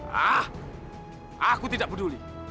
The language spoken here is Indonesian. hah aku tidak peduli